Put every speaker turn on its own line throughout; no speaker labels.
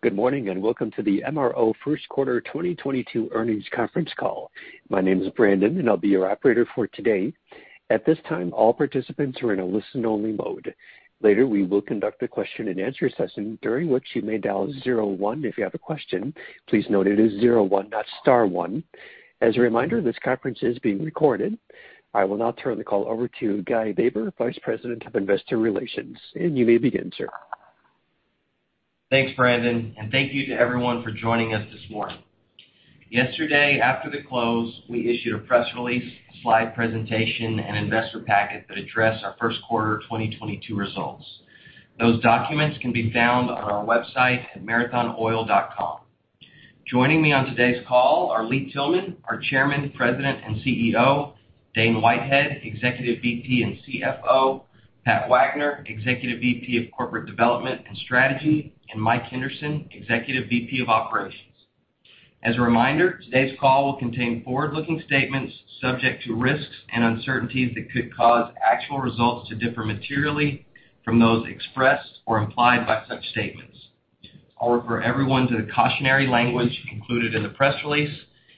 Good morning, and welcome to the MRO First Quarter 2022 Earnings Conference Call. My name is Brandon, and I'll be your operator for today. At this time, all participants are in a listen-only mode. Later, we will conduct a question-and-answer session, during which you may dial zero one if you have a question. Please note it is zero one, not star one. As a reminder, this conference is being recorded. I will now turn the call over to Guy Baber, Vice President of Investor Relations. You may begin, sir.
Thanks, Brandon, and thank you to everyone for joining us this morning. Yesterday, after the close, we issued a press release, slide presentation, and investor packet that addressed our first quarter 2022 results. Those documents can be found on our website at marathonoil.com. Joining me on today's call are Lee Tillman, our Chairman, President, and CEO, Dane Whitehead, Executive VP and CFO, Pat Wagner, Executive VP of Corporate Development and Strategy, and Mike Henderson, Executive VP of Operations. As a reminder, today's call will contain forward-looking statements subject to risks and uncertainties that could cause actual results to differ materially from those expressed or implied by such statements. I'll refer everyone to the cautionary language included in the press release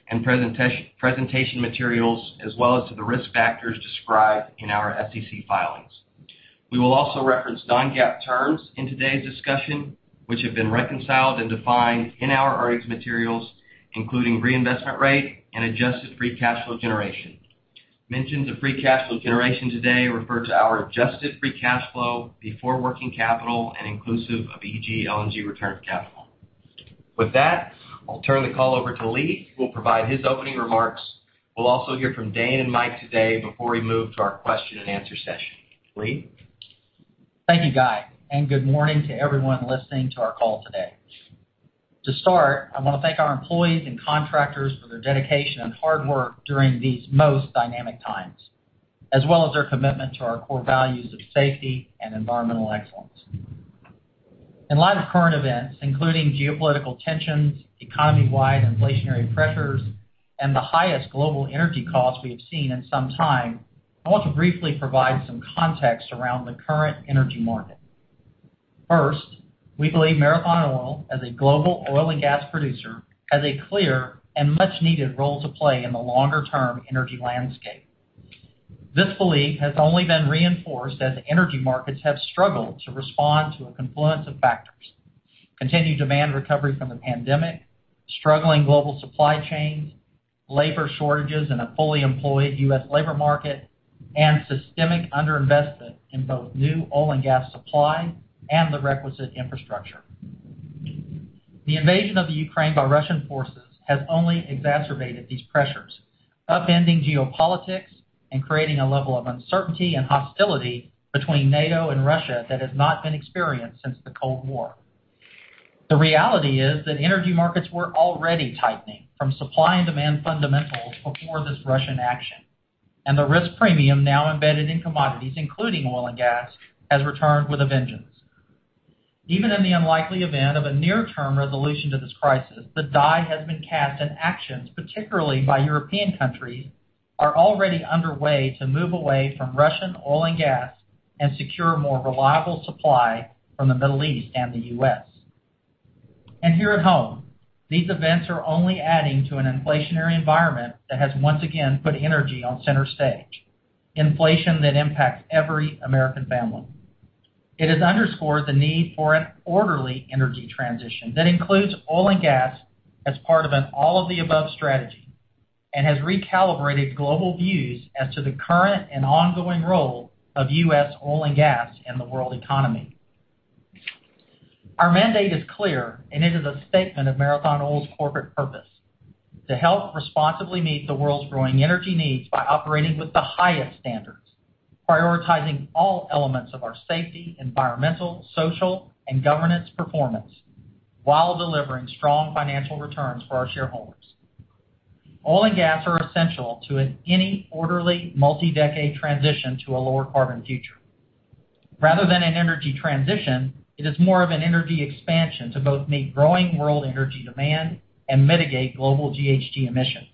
and presentation materials as well as to the risk factors described in our SEC filings. We will also reference non-GAAP terms in today's discussion, which have been reconciled and defined in our earnings materials, including reinvestment rate and adjusted free cash flow generation. Mentions of free cash flow generation today refer to our adjusted free cash flow before working capital and inclusive of EG LNG return on capital. With that, I'll turn the call over to Lee, who will provide his opening remarks. We'll also hear from Dane and Mike today before we move to our question-and-answer session. Lee?
Thank you, Guy, and good morning to everyone listening to our call today. To start, I wanna thank our employees and contractors for their dedication and hard work during these most dynamic times, as well as their commitment to our core values of safety and environmental excellence. In light of current events, including geopolitical tensions, economy-wide inflationary pressures, and the highest global energy costs we have seen in some time, I want to briefly provide some context around the current energy market. First, we believe Marathon Oil, as a global oil and gas producer, has a clear and much-needed role to play in the longer-term energy landscape. This belief has only been reinforced as energy markets have struggled to respond to a confluence of factors, continued demand recovery from the pandemic, struggling global supply chains, labor shortages in a fully employed U.S. labor market, and systemic underinvestment in both new oil and gas supply and the requisite infrastructure. The invasion of the Ukraine by Russian forces has only exacerbated these pressures, upending geopolitics and creating a level of uncertainty and hostility between NATO and Russia that has not been experienced since the Cold War. The reality is that energy markets were already tightening from supply and demand fundamentals before this Russian action, and the risk premium now embedded in commodities, including oil and gas, has returned with a vengeance. Even in the unlikely event of a near-term resolution to this crisis, the die has been cast, and actions, particularly by European countries, are already underway to move away from Russian oil and gas and secure more reliable supply from the Middle East and the U.S. Here at home, these events are only adding to an inflationary environment that has once again put energy on center stage, inflation that impacts every American family. It has underscored the need for an orderly energy transition that includes oil and gas as part of an all-of-the-above strategy and has recalibrated global views as to the current and ongoing role of U.S. oil and gas in the world economy. Our mandate is clear, and it is a statement of Marathon Oil's corporate purpose: to help responsibly meet the world's growing energy needs by operating with the highest standards, prioritizing all elements of our safety, environmental, social, and governance performance while delivering strong financial returns for our shareholders. Oil and gas are essential to any orderly multi-decade transition to a lower carbon future. Rather than an energy transition, it is more of an energy expansion to both meet growing world energy demand and mitigate global GHG emissions.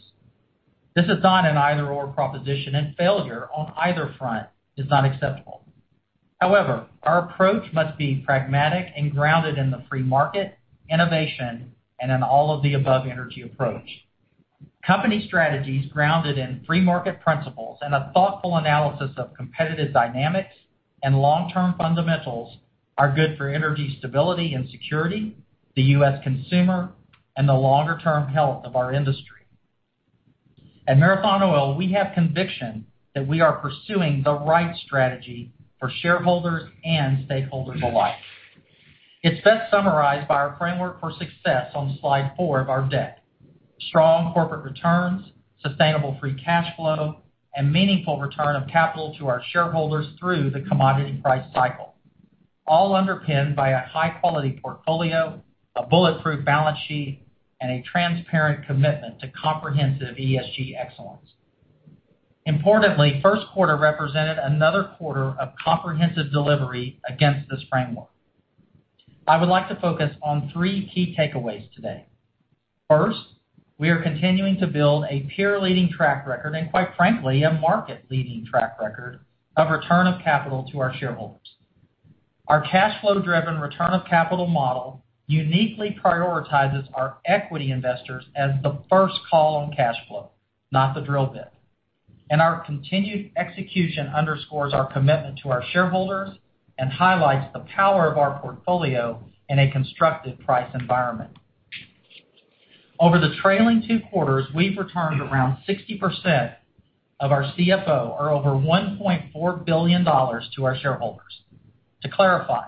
This is not an either/or proposition, and failure on either front is not acceptable. However, our approach must be pragmatic and grounded in the free market, innovation, and an all-of-the-above energy approach. Company strategies grounded in free market principles and a thoughtful analysis of competitive dynamics and long-term fundamentals are good for energy stability and security, the U.S. consumer, and the longer-term health of our industry. At Marathon Oil, we have conviction that we are pursuing the right strategy for shareholders and stakeholders alike. It's best summarized by our framework for success on slide four of our deck. Strong corporate returns, sustainable free cash flow, and meaningful return of capital to our shareholders through the commodity price cycle, all underpinned by a high-quality portfolio, a bulletproof balance sheet, and a transparent commitment to comprehensive ESG excellence. Importantly, first quarter represented another quarter of comprehensive delivery against this framework. I would like to focus on three key takeaways today. First, we are continuing to build a peer-leading track record, and quite frankly, a market-leading track record of return of capital to our shareholders. Our cash flow-driven return of capital model uniquely prioritizes our equity investors as the first call on cash flow, not the drill bit. Our continued execution underscores our commitment to our shareholders and highlights the power of our portfolio in a constructive price environment. Over the trailing two quarters, we've returned around 60% of our CFO, or over $1.4 billion to our shareholders. To clarify,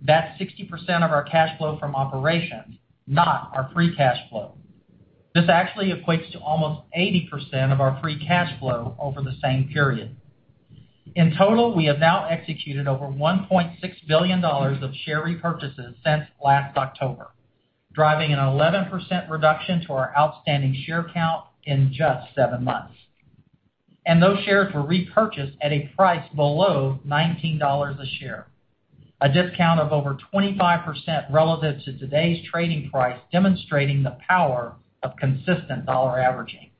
that's 60% of our cash flow from operations, not our free cash flow. This actually equates to almost 80% of our free cash flow over the same period. In total, we have now executed over $1.6 billion of share repurchases since last October, driving an 11% reduction to our outstanding share count in just seven months. Those shares were repurchased at a price below $19 a share, a discount of over 25% relative to today's trading price, demonstrating the power of consistent dollar averaging.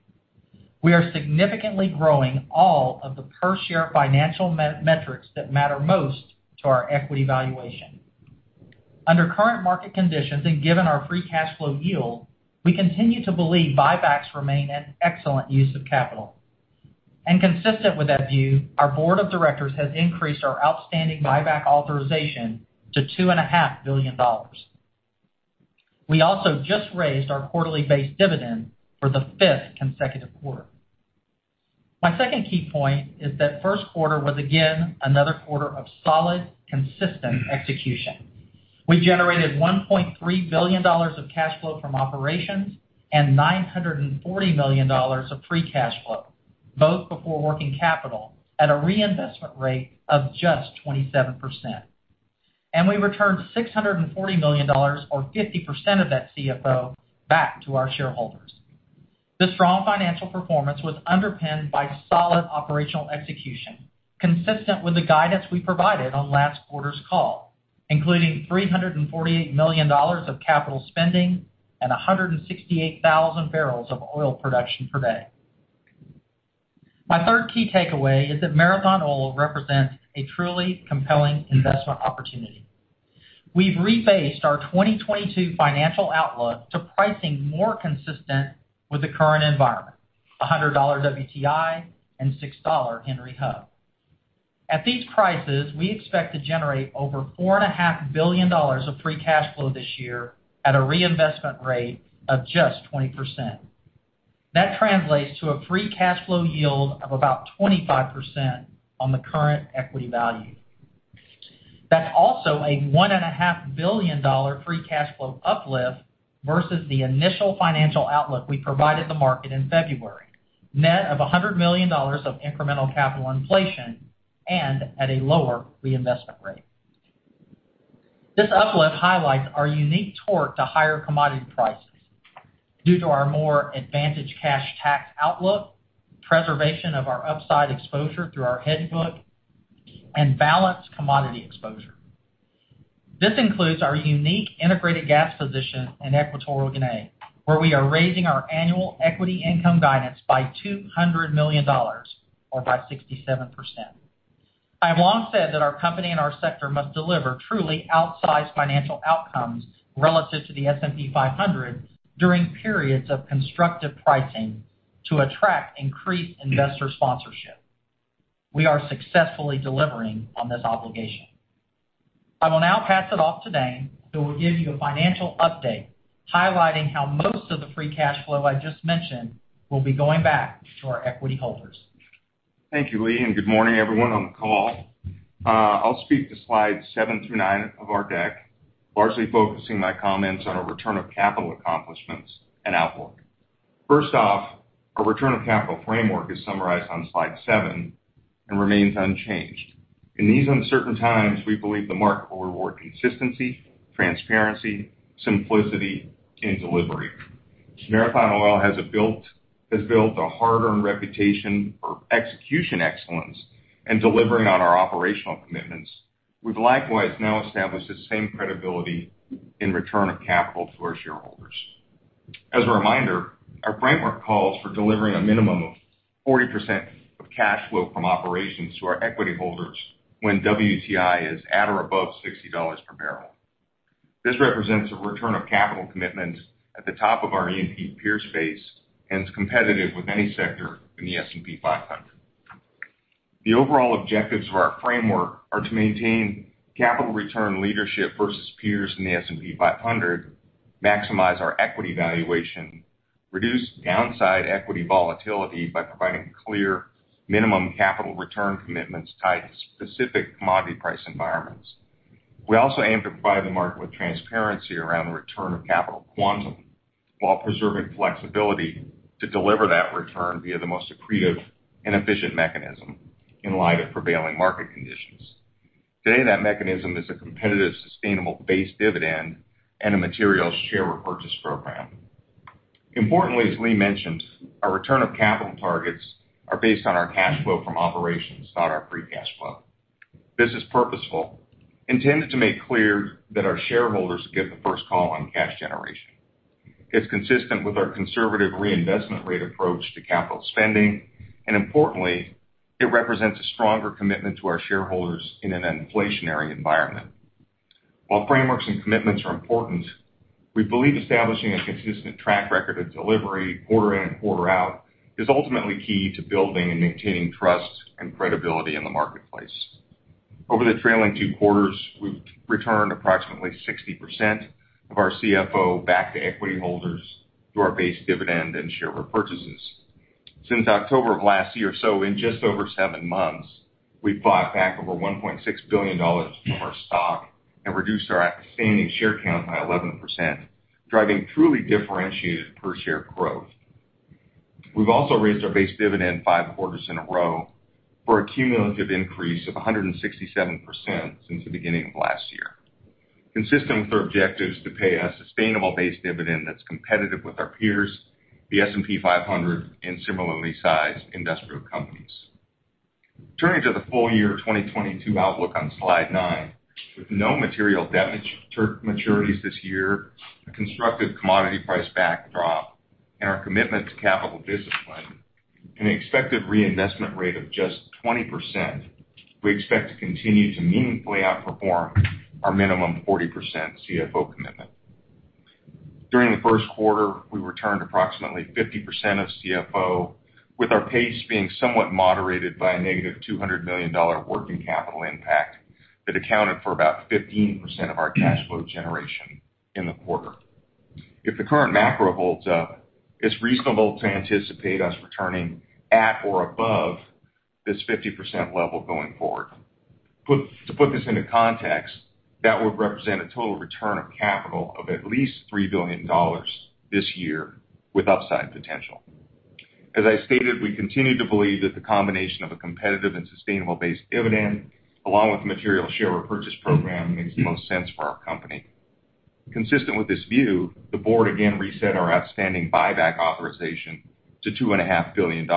We are significantly growing all of the per-share financial metrics that matter most to our equity valuation. Under current market conditions and given our free cash flow yield, we continue to believe buybacks remain an excellent use of capital. Consistent with that view, our board of directors has increased our outstanding buyback authorization to $2.5 billion. We also just raised our quarterly base dividend for the fifth consecutive quarter. My second key point is that first quarter was again another quarter of solid, consistent execution. We generated $1.3 billion of cash flow from operations and $940 million of free cash flow, both before working capital at a reinvestment rate of just 27%. We returned $640 million or 50% of that CFO back to our shareholders. This strong financial performance was underpinned by solid operational execution, consistent with the guidance we provided on last quarter's call, including $348 million of capital spending and 168,000 bbls of oil production per day. My third key takeaway is that Marathon Oil represents a truly compelling investment opportunity. We've rephased our 2022 financial outlook to pricing more consistent with the current environment, $100 WTI and $6 Henry Hub. At these prices, we expect to generate over $4.5 billion of free cash flow this year at a reinvestment rate of just 20%. That translates to a free cash flow yield of about 25% on the current equity value. That's also a $1.5 billion free cash flow uplift versus the initial financial outlook we provided the market in February, net of $100 million of incremental capital inflation and at a lower reinvestment rate. This uplift highlights our unique torque to higher commodity prices due to our more advantaged cash tax outlook, preservation of our upside exposure through our hedge book, and balanced commodity exposure. This includes our unique integrated gas position in Equatorial Guinea, where we are raising our annual equity income guidance by $200 million or by 67%. I've long said that our company and our sector must deliver truly outsized financial outcomes relative to the S&P 500 during periods of constructive pricing to attract increased investor sponsorship. We are successfully delivering on this obligation. I will now pass it off to Dane, who will give you a financial update highlighting how most of the free cash flow I just mentioned will be going back to our equity holders.
Thank you, Lee, and good morning everyone on the call. I'll speak to slides seven through nine of our deck, largely focusing my comments on our return of capital accomplishments and outlook. First off, our return of capital framework is summarized on slide seven and remains unchanged. In these uncertain times, we believe the market will reward consistency, transparency, simplicity, and delivery. Marathon Oil has built a hard-earned reputation for execution excellence and delivering on our operational commitments. We've likewise now established the same credibility in return of capital to our shareholders. As a reminder, our framework calls for delivering a minimum of 40% of cash flow from operations to our equity holders when WTI is at or above $60 per bbl. This represents a return of capital commitment at the top of our E&P peer space and is competitive with any sector in the S&P 500. The overall objectives of our framework are to maintain capital return leadership versus peers in the S&P 500, maximize our equity valuation, reduce downside equity volatility by providing clear minimum capital return commitments tied to specific commodity price environments. We also aim to provide the market with transparency around the return of capital quantum while preserving flexibility to deliver that return via the most accretive and efficient mechanism in light of prevailing market conditions. Today, that mechanism is a competitive, sustainable base dividend and a material share repurchase program. Importantly, as Lee mentioned, our return of capital targets are based on our cash flow from operations, not our free cash flow. This is purposeful, intended to make clear that our shareholders get the first call on cash generation. It's consistent with our conservative reinvestment rate approach to capital spending, and importantly, it represents a stronger commitment to our shareholders in an inflationary environment. While frameworks and commitments are important, we believe establishing a consistent track record of delivery quarter in and quarter out is ultimately key to building and maintaining trust and credibility in the marketplace. Over the trailing two quarters, we've returned approximately 60% of our CFO back to equity holders through our base dividend and share repurchases. Since October of last year, so in just over seven months, we've bought back over $1.6 billion from our stock and reduced our outstanding share count by 11%, driving truly differentiated per share growth. We've also raised our base dividend five quarters in a row for a cumulative increase of 167% since the beginning of last year. Consistent with our objectives to pay a sustainable base dividend that's competitive with our peers, the S&P 500, and similarly sized industrial companies. Turning to the full-year 2022 outlook on slide nine. With no material debt maturities this year, a constructive commodity price backdrop, and our commitment to capital discipline, and an expected reinvestment rate of just 20%, we expect to continue to meaningfully outperform our minimum 40% CFO commitment. During the first quarter, we returned approximately 50% of CFO, with our pace being somewhat moderated by a negative $200 million working capital impact that accounted for about 15% of our cash flow generation in the quarter. If the current macro holds up, it's reasonable to anticipate us returning at or above this 50% level going forward. To put this into context, that would represent a total return of capital of at least $3 billion this year with upside potential. As I stated, we continue to believe that the combination of a competitive and sustainable base dividend, along with material share repurchase program, makes the most sense for our company. Consistent with this view, the board again reset our outstanding buyback authorization to $2.5 billion,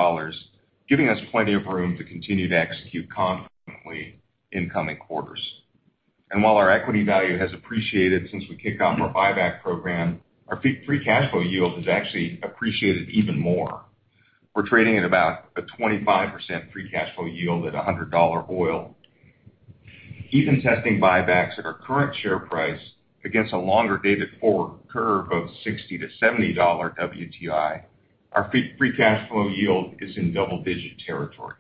giving us plenty of room to continue to execute confidently in coming quarters. While our equity value has appreciated since we kicked off our buyback program, our free cash flow yield has actually appreciated even more. We're trading at about a 25% free cash flow yield at $100 oil. Even testing buybacks at our current share price against a longer dated forward curve of $60-$70 WTI, our free cash flow yield is in double-digit territory.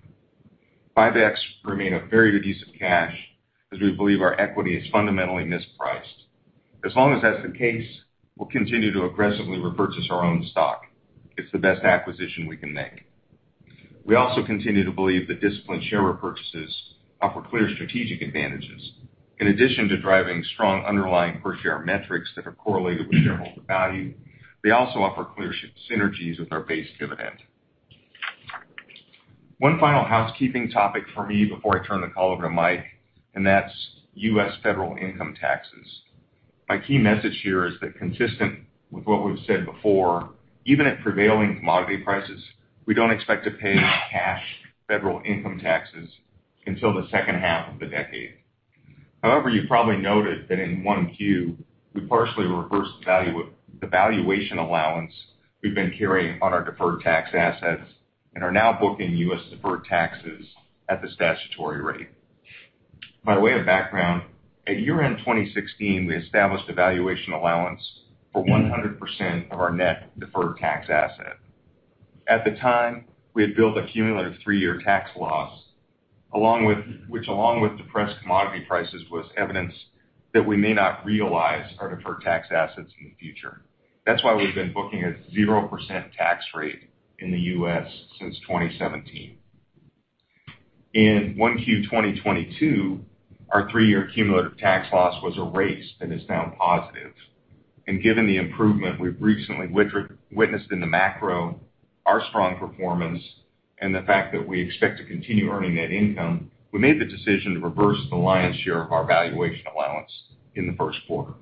Buybacks remain a very attractive use of cash as we believe our equity is fundamentally mispriced. As long as that's the case, we'll continue to aggressively repurchase our own stock. It's the best acquisition we can make. We also continue to believe that disciplined share repurchases offer clear strategic advantages. In addition to driving strong underlying per share metrics that are correlated with shareholder value, they also offer clear synergies with our base dividend. One final housekeeping topic for me before I turn the call over to Mike, and that's U.S. federal income taxes. My key message here is that consistent with what we've said before, even at prevailing commodity prices, we don't expect to pay cash federal income taxes until the H2 of the decade. However, you've probably noted that in 1Q, we partially reversed the valuation allowance we've been carrying on our deferred tax assets and are now booking U.S. deferred taxes at the statutory rate. By way of background, at year-end 2016, we established a valuation allowance for 100% of our net deferred tax asset. At the time, we had built a cumulative three-year tax loss, which, along with depressed commodity prices, was evidence that we may not realize our deferred tax assets in the future. That's why we've been booking a 0% tax rate in the U.S. since 2017. In 1Q 2022, our three-year cumulative tax loss was erased and is now positive. Given the improvement we've recently witnessed in the macro, our strong performance, and the fact that we expect to continue earning net income, we made the decision to reverse the lion's share of our valuation allowance in the first quarter.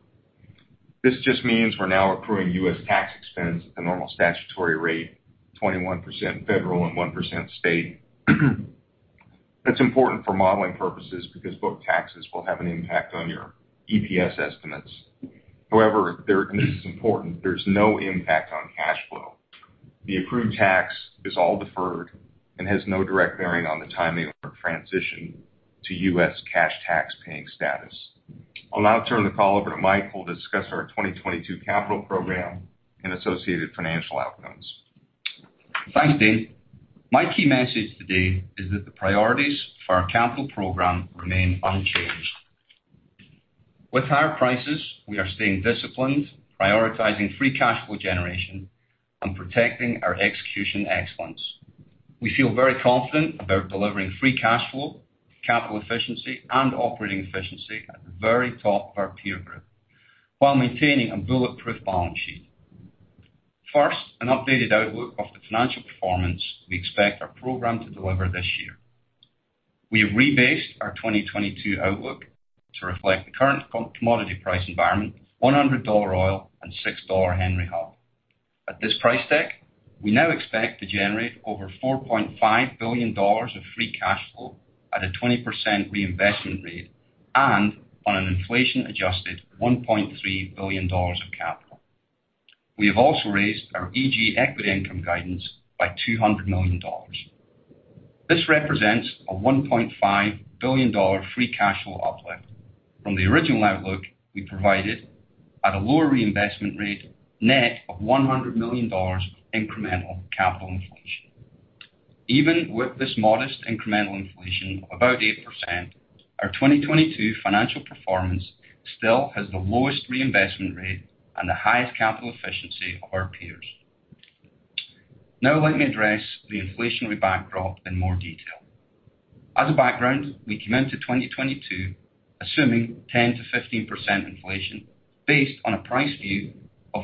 This just means we're now accruing U.S. tax expense at the normal statutory rate, 21% federal and 1% state. It's important for modeling purposes because both taxes will have an impact on your EPS estimates. However, there, and this is important, there's no impact on cash flow. The approved tax is all deferred and has no direct bearing on the timing of our transition to U.S. cash tax paying status. I'll now turn the call over to Mike, who will discuss our 2022 capital program and associated financial outcomes.
Thanks, Dane. My key message today is that the priorities for our capital program remain unchanged. With higher prices, we are staying disciplined, prioritizing free cash flow generation, and protecting our execution excellence. We feel very confident about delivering free cash flow, capital efficiency, and operating efficiency at the very top of our peer group, while maintaining a bulletproof balance sheet. First, an updated outlook of the financial performance we expect our program to deliver this year. We have rebased our 2022 outlook to reflect the current commodity price environment, $100 oil and $6 Henry Hub. At this price deck, we now expect to generate over $4.5 billion of free cash flow at a 20% reinvestment rate and on an inflation-adjusted $1.3 billion of capital. We have also raised our EG equity income guidance by $200 million. This represents a $1.5 billion free cash flow uplift from the original outlook we provided at a lower reinvestment rate, net of $100 million incremental capital inflation. Even with this modest incremental inflation of about 8%, our 2022 financial performance still has the lowest reinvestment rate and the highest capital efficiency of our peers. Now let me address the inflationary backdrop in more detail. As a background, we came into 2022 assuming 10%-15% inflation based on a price view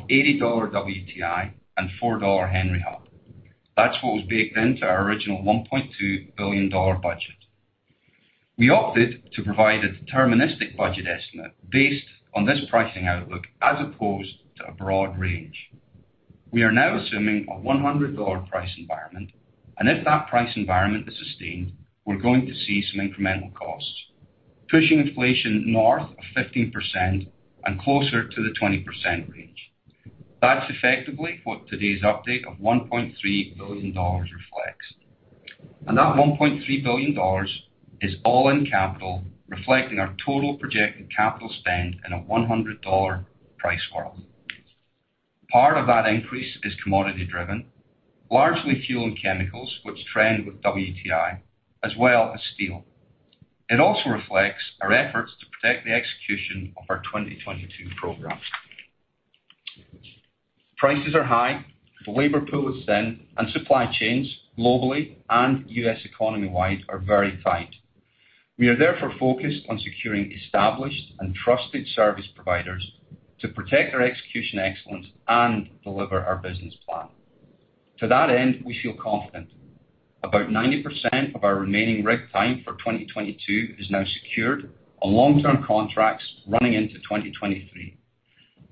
of $80 WTI and $4 Henry Hub. That's what was baked into our original $1.2 billion budget. We opted to provide a deterministic budget estimate based on this pricing outlook as opposed to a broad range. We are now assuming a $100 price environment, and if that price environment is sustained, we're going to see some incremental costs, pushing inflation north of 15% and closer to the 20% range. That's effectively what today's update of $1.3 billion reflects. That $1.3 billion is all in capital, reflecting our total projected capital spend in a $100 price world. Part of that increase is commodity-driven, largely fuel and chemicals, which trend with WTI, as well as steel. It also reflects our efforts to protect the execution of our 2022 programs. Prices are high, the labor pool is thin, and supply chains globally and U.S. economy-wide are very tight. We are therefore focused on securing established and trusted service providers to protect our execution excellence and deliver our business plan. To that end, we feel confident. About 90% of our remaining rig time for 2022 is now secured on long-term contracts running into 2023.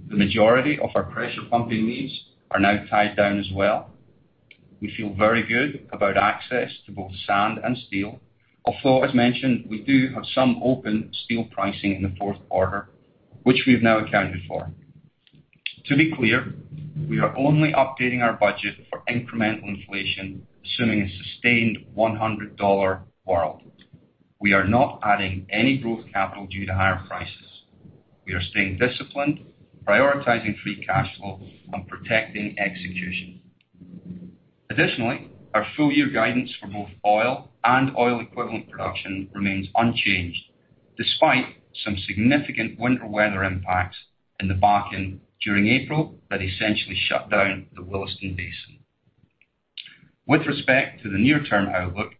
The majority of our pressure pumping needs are now tied down as well. We feel very good about access to both sand and steel, although as mentioned, we do have some open steel pricing in the fourth quarter, which we've now accounted for. To be clear, we are only updating our budget for incremental inflation, assuming a sustained $100 world. We are not adding any growth capital due to higher prices. We are staying disciplined, prioritizing free cash flow and protecting execution. Additionally, our full year guidance for both oil and oil equivalent production remains unchanged, despite some significant winter weather impacts in the Bakken during April that essentially shut down the Williston Basin. With respect to the near-term outlook,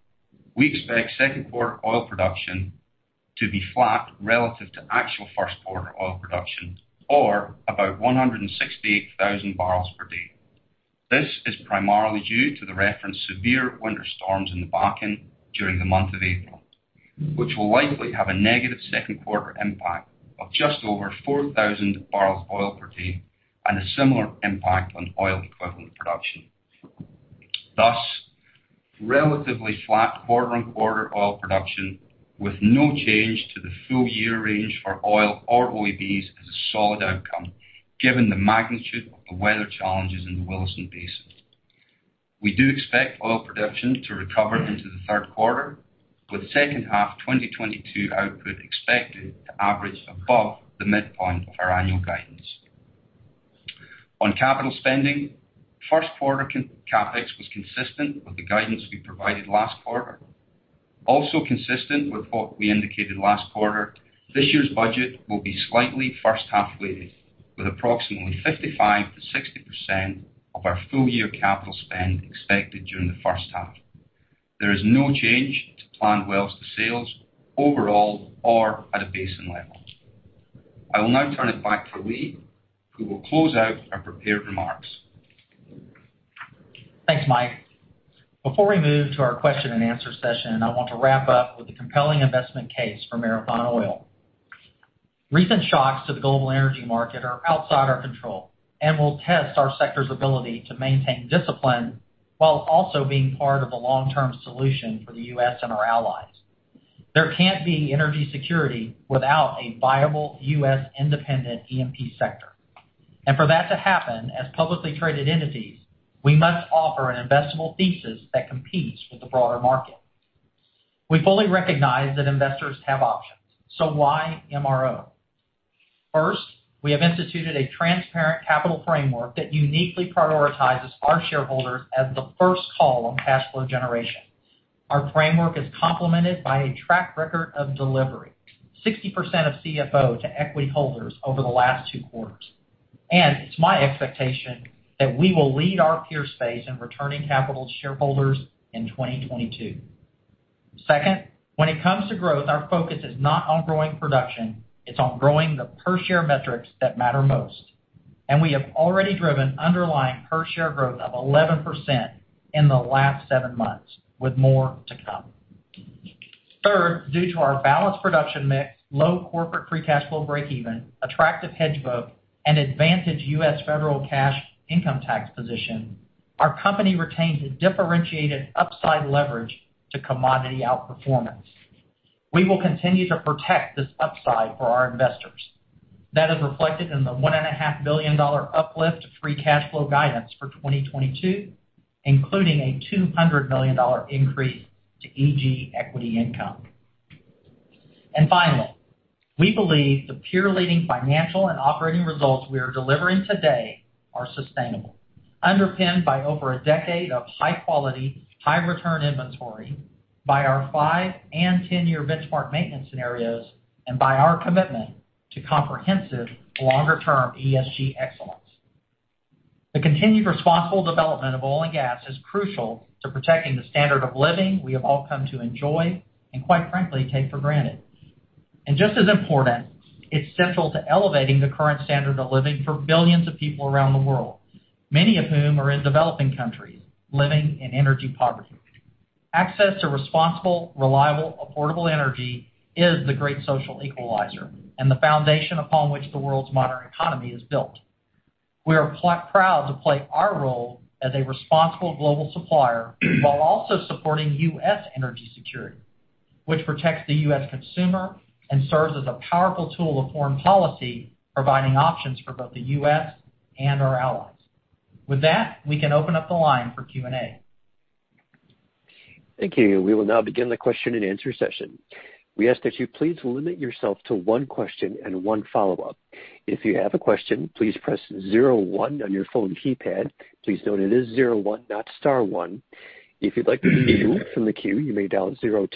we expect second quarter oil production to be flat relative to actual first quarter oil production or about 168,000 bbl per day. This is primarily due to the referenced severe winter storms in the Bakken during the month of April, which will likely have a negative second quarter impact of just over 4,000 bbl of oil per day and a similar impact on oil equivalent production. Thus, relatively flat quarter-on-quarter oil production with no change to the full year range for oil or BOE is a solid outcome given the magnitude of the weather challenges in the Williston Basin. We do expect oil production to recover into the third quarter, with H2 2022 output expected to average above the midpoint of our annual guidance. On capital spending, first quarter CapEx was consistent with the guidance we provided last quarter. Also consistent with what we indicated last quarter, this year's budget will be slightly first half weighted, with approximately 55%-60% of our full-year capital spend expected during the H1. There is no change to planned wells to sales overall or at a basin level. I will now turn it back to Lee, who will close out our prepared remarks.
Thanks, Mike. Before we move to our question and answer session, I want to wrap up with the compelling investment case for Marathon Oil. Recent shocks to the global energy market are outside our control and will test our sector's ability to maintain discipline while also being part of a long-term solution for the U.S. and our allies. There can't be energy security without a viable U.S. independent E&P sector. For that to happen, as publicly traded entities, we must offer an investable thesis that competes with the broader market. We fully recognize that investors have options. Why MRO? First, we have instituted a transparent capital framework that uniquely prioritizes our shareholders as the first call on cash flow generation. Our framework is complemented by a track record of delivery, 60% of CFO to equity holders over the last two quarters. It's my expectation that we will lead our peer space in returning capital to shareholders in 2022. Second, when it comes to growth, our focus is not on growing production, it's on growing the per share metrics that matter most. We have already driven underlying per share growth of 11% in the last seven months, with more to come. Third, due to our balanced production mix, low corporate free cash flow breakeven, attractive hedge book, and advantaged U.S. federal cash income tax position, our company retains a differentiated upside leverage to commodity outperformance. We will continue to protect this upside for our investors. That is reflected in the $1.5 billion uplift free cash flow guidance for 2022, including a $200 million increase to EG equity income. Finally, we believe the peer-leading financial and operating results we are delivering today are sustainable, underpinned by over a decade of high quality, high return inventory by our five- and 10-year benchmark maintenance scenarios and by our commitment to comprehensive longer-term ESG excellence. The continued responsible development of oil and gas is crucial to protecting the standard of living we have all come to enjoy and quite frankly, take for granted. Just as important, it's central to elevating the current standard of living for billions of people around the world, many of whom are in developing countries living in energy poverty. Access to responsible, reliable, affordable energy is the great social equalizer and the foundation upon which the world's modern economy is built. We are proud to play our role as a responsible global supplier while also supporting U.S. energy security, which protects the U.S. consumer and serves as a powerful tool of foreign policy, providing options for both the U.S. and our allies. With that, we can open up the line for Q&A.
Thank you. We will now begin the question-and-answer session. We ask that you please limit yourself to one question and one follow-up. If you have a question, please press zero one on your phone keypad. Please note it is zero one, not star one. If you'd like to be removed from the queue, you may dial zero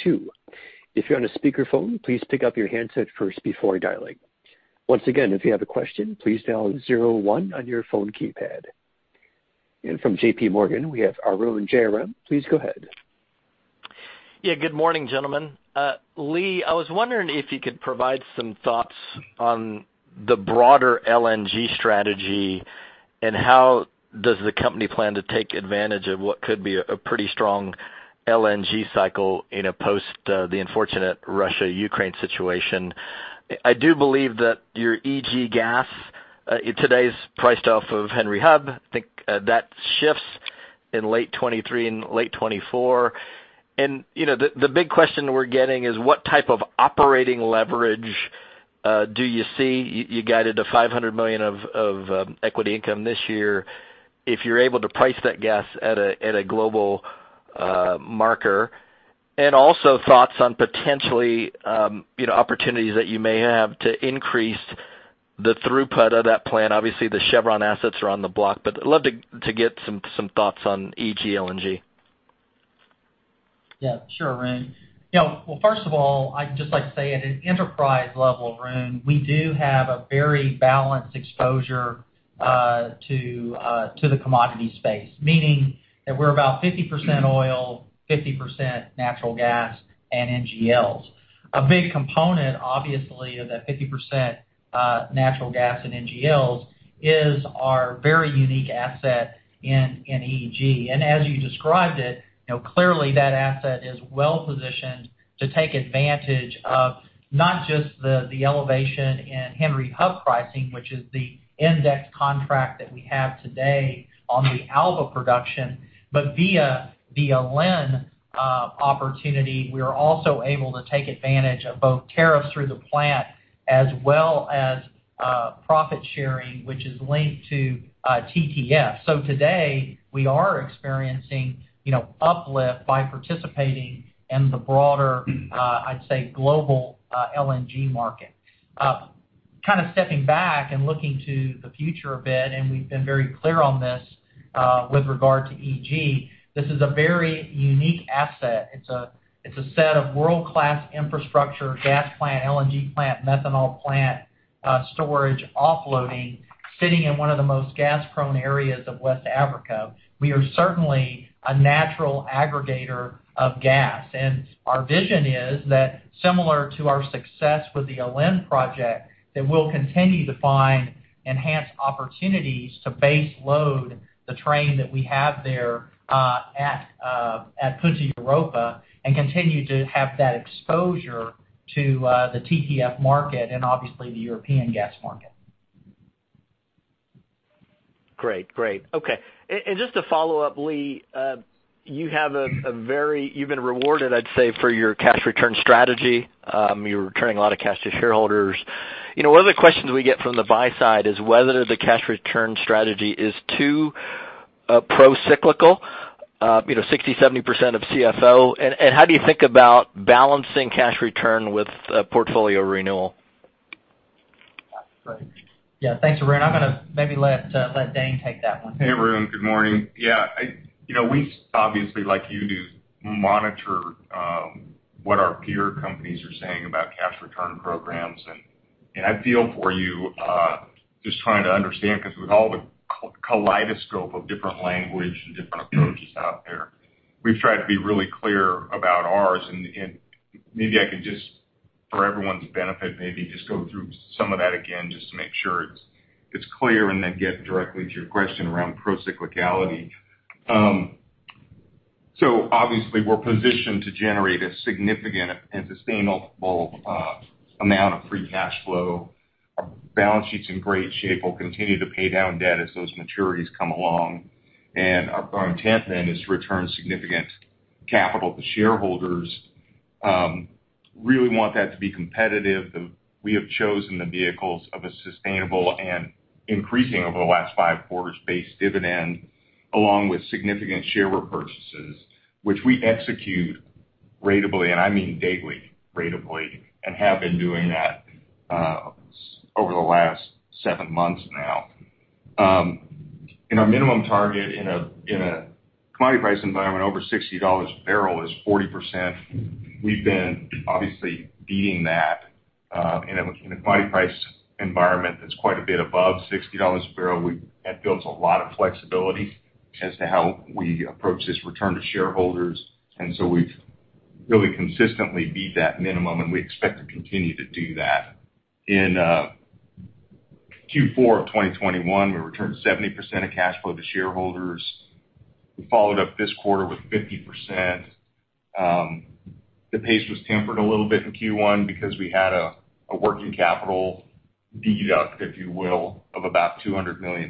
two. If you're on a speakerphone, please pick up your handset first before dialing. Once again, if you have a question, please dial zero one on your phone keypad. From JPMorgan Chase, we have Arun Jayaram. Please go ahead.
Yeah. Good morning, gentlemen. Lee, I was wondering if you could provide some thoughts on the broader LNG strategy and how does the company plan to take advantage of what could be a pretty strong LNG cycle in a post the unfortunate Russia-Ukraine situation. I do believe that your EG gas today is priced off of Henry Hub. I think that shifts in late 2023 and late 2024. You know, the big question we're getting is what type of operating leverage do you see? You guided to $500 million of equity income this year if you're able to price that gas at a global marker. Also thoughts on potentially, you know, opportunities that you may have to increase the throughput of that plant. Obviously, the Chevron assets are on the block, but I'd love to get some thoughts on EG LNG.
Yeah, sure, Arun. Yeah, well, first of all, I'd just like to say at an enterprise level, Arun, we do have a very balanced exposure to the commodity space, meaning that we're about 50% oil, 50% natural gas and NGLs. A big component, obviously, of that 50% natural gas and NGLs is our very unique asset in EG. As you described it, you know, clearly that asset is well-positioned to take advantage of not just the elevation in Henry Hub pricing, which is the index contract that we have today on the Alba production, but via the Alen opportunity, we are also able to take advantage of both tariffs through the plant as well as profit sharing, which is linked to TTF. Today, we are experiencing, you know, uplift by participating in the broader, I'd say, global, LNG market. Kind of stepping back and looking to the future a bit, and we've been very clear on this, with regard to EG, this is a very unique asset. It's a set of world-class infrastructure, gas plant, LNG plant, methanol plant, storage offloading, sitting in one of the most gas-prone areas of West Africa. We are certainly a natural aggregator of gas. Our vision is that similar to our success with the Alen project, that we'll continue to find enhanced opportunities to base load the train that we have there, at Punta Europa and continue to have that exposure to, the TTF market and obviously the European gas market.
Great. Okay. Just to follow up, Lee, you have a very—you've been rewarded, I'd say, for your cash return strategy. You're returning a lot of cash to shareholders. You know, one of the questions we get from the buy side is whether the cash return strategy is too pro-cyclical, you know, 60%-70% of CFO. And how do you think about balancing cash return with portfolio renewal?
Yeah. Thanks, Arun. I'm gonna maybe let Dane take that one.
Hey, Arun. Good morning. Yeah, you know, we obviously, like you do, monitor what our peer companies are saying about cash return programs. I feel for you just trying to understand 'cause with all the kaleidoscope of different language and different approaches out there, we've tried to be really clear about ours. For everyone's benefit, maybe just go through some of that again just to make sure it's clear, and then get directly to your question around procyclicality. We're positioned to generate a significant and sustainable amount of free cash flow. Our balance sheet's in great shape. We'll continue to pay down debt as those maturities come along. Our intent then is to return significant capital to shareholders. Really want that to be competitive. We have chosen the vehicles of a sustainable and increasing over the last five quarters base dividend, along with significant share repurchases, which we execute ratably, and I mean daily ratably, and have been doing that over the last seven months now. Our minimum target in a commodity price environment over $60 a barrel is 40%. We've been obviously beating that in a commodity price environment that's quite a bit above $60 a barrel. That builds a lot of flexibility as to how we approach this return to shareholders. We've really consistently beat that minimum, and we expect to continue to do that. In Q4 of 2021, we returned 70% of cash flow to shareholders. We followed up this quarter with 50%. The pace was tempered a little bit in Q1 because we had a working capital deduct, if you will, of about $200 million.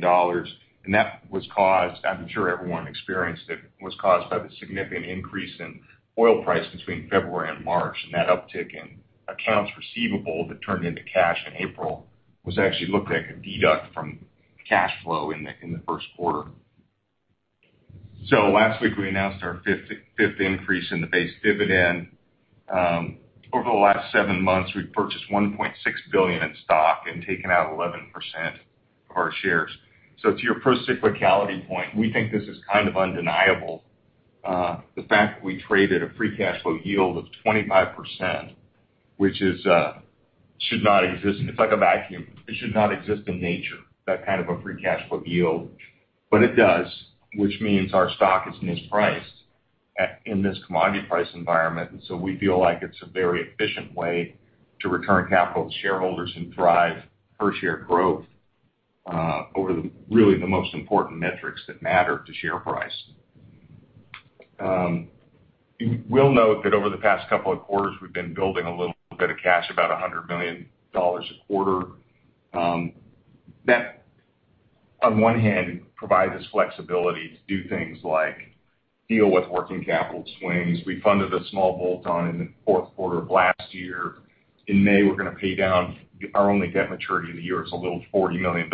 That was caused, I'm sure everyone experienced it, by the significant increase in oil price between February and March. That uptick in accounts receivable that turned into cash in April was actually looked at a deduct from cash flow in the first quarter. Last week, we announced our fifth increase in the base dividend. Over the last seven months, we've purchased $1.6 billion in stock and taken out 11% of our shares. To your procyclicality point, we think this is kind of undeniable. The fact that we traded a free cash flow yield of 25%, which is, should not exist. It's like a vacuum. It should not exist in nature, that kind of a free cash flow yield. It does, which means our stock is mispriced in this commodity price environment. We feel like it's a very efficient way to return capital to shareholders and drive per share growth over the really the most important metrics that matter to share price. You will note that over the past couple of quarters, we've been building a little bit of cash, about $100 million a quarter. That on one hand provides us flexibility to do things like deal with working capital swings. We funded a small bolt-on in the fourth quarter of last year. In May, we're gonna pay down our only debt maturity of the year. It's a little $40 million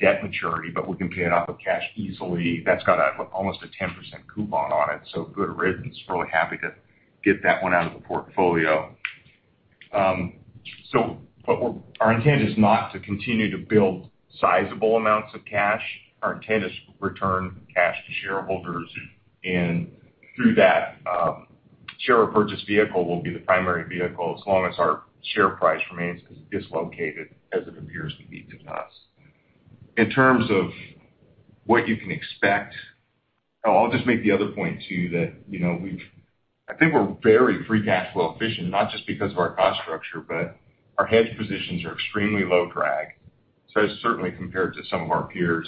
debt maturity, but we can pay it off with cash easily. That's got almost a 10% coupon on it, so good riddance. Really happy to get that one out of the portfolio. Our intent is not to continue to build sizable amounts of cash. Our intent is to return cash to shareholders, and through that, share repurchase vehicle will be the primary vehicle as long as our share price remains as dislocated as it appears to be to us. In terms of what you can expect. Oh, I'll just make the other point too that, you know, we've I think we're very free cash flow efficient, not just because of our cost structure, but our hedge positions are extremely low drag, certainly compared to some of our peers.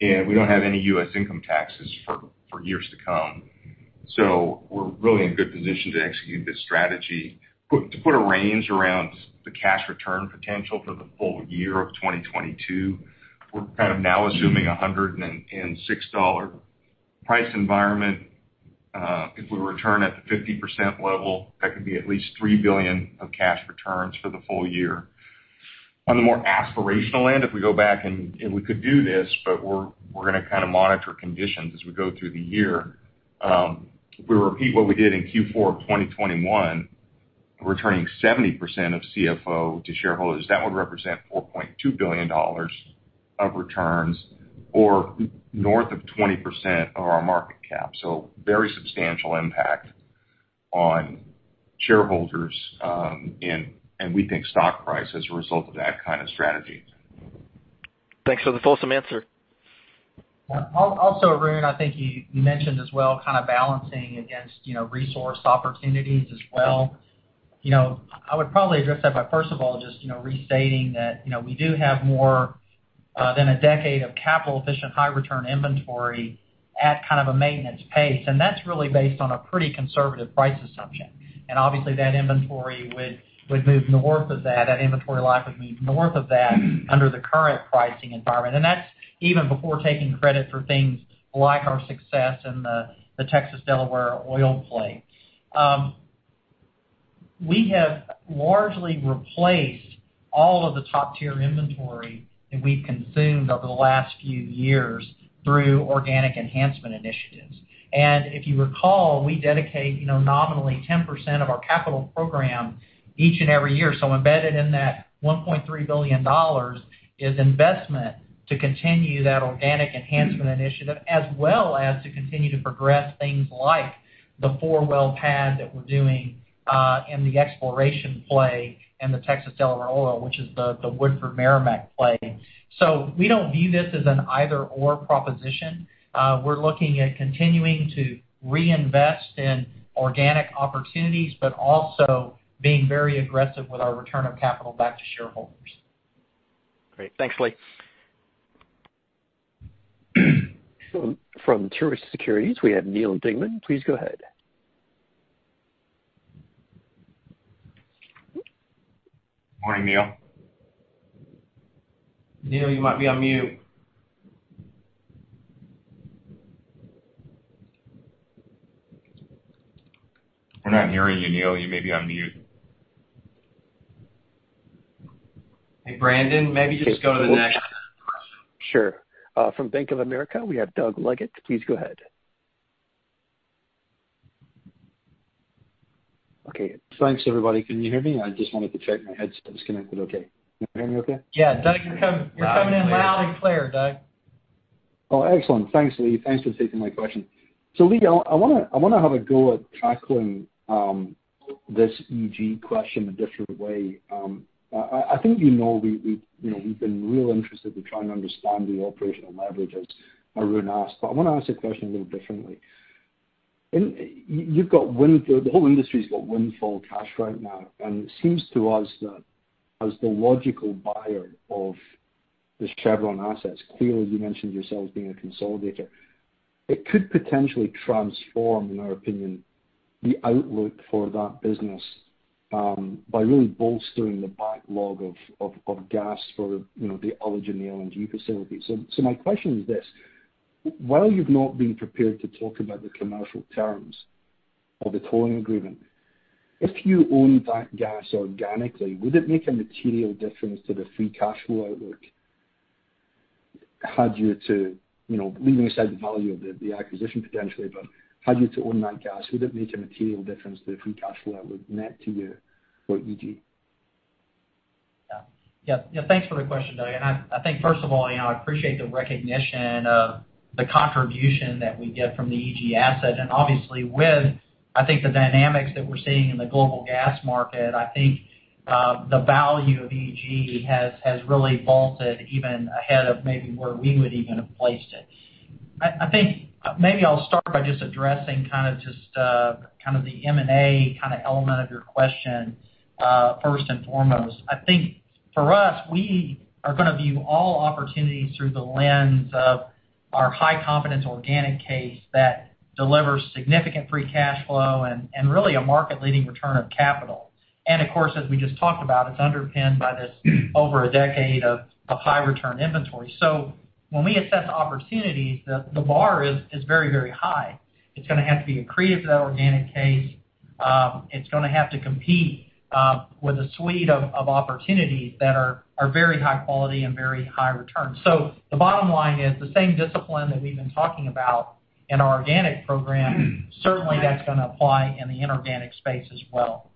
We don't have any U.S. income taxes for years to come. We're really in a good position to execute this strategy. To put a range around the cash return potential for the full year of 2022, we're kind of now assuming a $106 price environment. If we return at the 50% level, that could be at least $3 billion of cash returns for the full year. On the more aspirational end, if we go back and we could do this, but we're gonna kind of monitor conditions as we go through the year. If we repeat what we did in Q4 of 2021, returning 70% of CFO to shareholders, that would represent $4.2 billion of returns or north of 20% of our market cap. Very substantial impact on shareholders and we think stock price as a result of that kind of strategy.
Thanks for the fulsome answer.
Also, Arun, I think you mentioned as well kind of balancing against, you know, resource opportunities as well. You know, I would probably address that by first of all just, you know, restating that, you know, we do have more than a decade of capital-efficient, high-return inventory at kind of a maintenance pace. That's really based on a pretty conservative price assumption. Obviously, that inventory would move north of that. That inventory life would move north of that under the current pricing environment. That's even before taking credit for things like our success in the Texas Delaware Oil play. We have largely replaced all of the top-tier inventory that we've consumed over the last few years through organic enhancement initiatives. If you recall, we dedicate, you know, nominally 10% of our capital program each and every year. Embedded in that $1.3 billion is investment to continue that organic enhancement initiative, as well as to continue to progress things like the four-well pad that we're doing in the exploration play in the Texas Delaware Oil, which is the Woodford Meramec play. We don't view this as an either/or proposition. We're looking at continuing to reinvest in organic opportunities, but also being very aggressive with our return of capital back to shareholders.
Great. Thanks, Lee.
From Truist Securities, we have Neal Dingmann. Please go ahead.
Morning, Neal.
Neal, you might be on mute. We're not hearing you, Neal. You may be on mute. Hey, Brandon, maybe just go to the next question.
Sure. From Bank of America, we have Doug Leggate. Please go ahead.
Okay, thanks, everybody. Can you hear me? I just wanted to check my headset was connected okay. Can you hear me okay?
Yeah. Doug, you're coming in loud and clear, Doug.
Oh, excellent. Thanks, Lee. Thanks for taking my question. Lee, I wanna have a go at tackling this EG question a different way. I think you know we've been real interested in trying to understand the operational leverage as Arun asked. I wanna ask the question a little differently. You've got windfall cash right now, the whole industry's got windfall cash right now, and it seems to us that as the logical buyer of this Chevron assets, clearly you mentioned yourselves being a consolidator, it could potentially transform, in our opinion, the outlook for that business, by really bolstering the backlog of gas for, you know, the Alen and the LNG facility. My question is this: While you've not been prepared to talk about the commercial terms of the tolling agreement, if you own that gas organically, would it make a material difference to the free cash flow outlook? Had you to, you know, leaving aside the value of the acquisition potentially, but had you to own that gas, would it make a material difference to the free cash flow outlook net to you for EG?
Yeah, thanks for the question, Doug. I think first of all, you know, I appreciate the recognition of the contribution that we get from the EG asset. I think, obviously with the dynamics that we're seeing in the global gas market, the value of EG has really vaulted even ahead of maybe where we would even have placed it. I think maybe I'll start by just addressing kind of the M&A kind of element of your question first and foremost. I think for us, we are gonna view all opportunities through the lens of our high confidence organic case that delivers significant free cash flow and really a market-leading return of capital. Of course, as we just talked about, it's underpinned by this over a decade of high return inventory. When we assess opportunities, the bar is very high. It's gonna have to be accretive to that organic case. It's gonna have to compete with a suite of opportunities that are very high quality and very high return. The bottom line is the same discipline that we've been talking about in our organic program, certainly that's gonna apply in the inorganic space as well.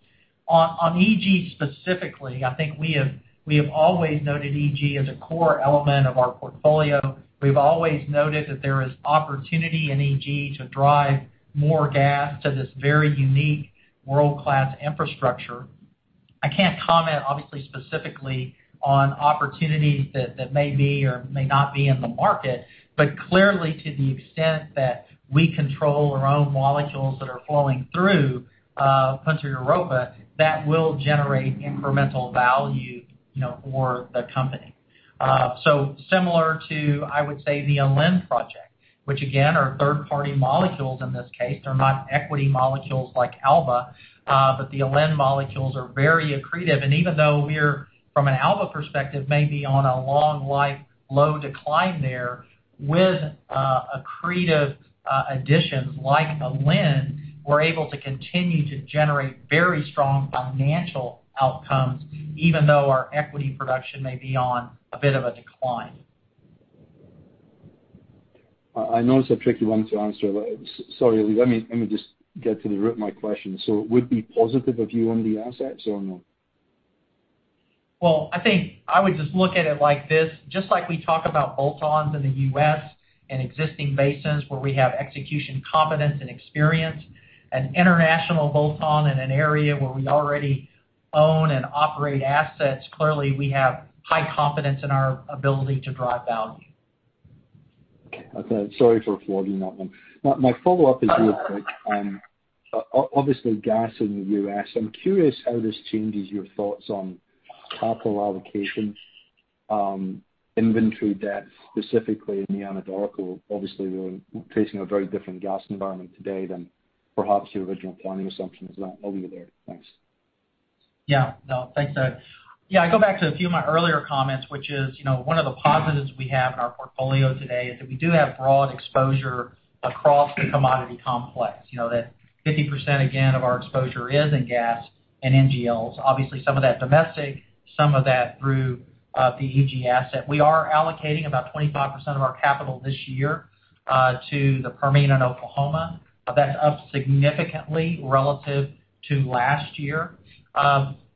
On EG specifically, I think we have always noted EG as a core element of our portfolio. We've always noted that there is opportunity in EG to drive more gas to this very unique world-class infrastructure. I can't comment obviously specifically on opportunities that may be or may not be in the market, but clearly to the extent that we control our own molecules that are flowing through Punta Europa, that will generate incremental value, you know, for the company. Similar to, I would say, the Alen project, which again are third-party molecules in this case. They're not equity molecules like Alba. The Alen molecules are very accretive. Even though we're from an Alba perspective may be on a long life low decline there, with accretive additions like Alen, we're able to continue to generate very strong financial outcomes, even though our equity production may be on a bit of a decline.
I know it's a tricky one to answer. Sorry, Lee. Let me just get to the root of my question. It would be positive if you own the assets or no?
Well, I think I would just look at it like this. Just like we talk about bolt-ons in the U.S. and existing basins where we have execution confidence and experience, an international bolt-on in an area where we already own and operate assets, clearly we have high confidence in our ability to drive value.
Okay. Sorry for flogging that one. My follow-up is real quick. Obviously gas in the U.S., I'm curious how this changes your thoughts on capital allocation, inventory depth, specifically in the Anadarko. Obviously, we're facing a very different gas environment today than perhaps your original planning assumption as well. Over to you there. Thanks.
Yeah. No, thanks, Doug. Yeah, I go back to a few of my earlier comments, which is, you know, one of the positives we have in our portfolio today is that we do have broad exposure across the commodity complex. You know, that 50%, again, of our exposure is in gas and NGLs. Obviously, some of that domestic, some of that through the EG asset. We are allocating about 25% of our capital this year to the Permian and Oklahoma. That's up significantly relative to last year.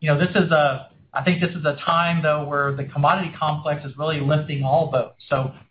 You know, I think this is a time though where the commodity complex is really lifting all boats.